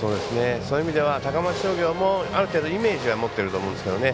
そういう意味では高松商業もある程度イメージは持っていると思うんですけどね。